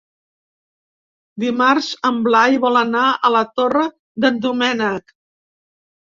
Dimarts en Blai vol anar a la Torre d'en Doménec.